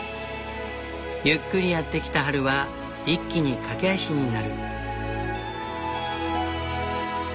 ゆっくりやって来た春は一気に駆け足になる。